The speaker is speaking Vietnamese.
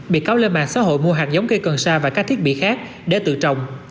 bị cáo lên mạng xã hội mua hạt giống cây cần sa và các thiết bị khác để tự trồng